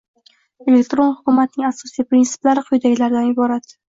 Elektron hukumatning asosiy prinsiplari quyidagilardan iborat: